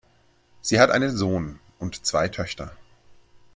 Sie hat einen Sohn und zwei Töchter.